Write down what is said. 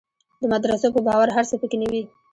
د مدرسو په باور هر څه په کې نه وي.